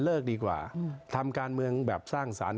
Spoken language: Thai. ดีกว่าทำการเมืองแบบสร้างสรรค์